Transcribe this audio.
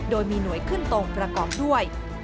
โดยมีหน่วยขึ้นตรงประกอบด้วย